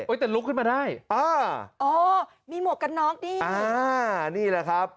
โอ้ยแต่ลุกขึ้นมาได้อ้าโอ้มีหมวกกันนอกนี่อ้านี่แหละครับ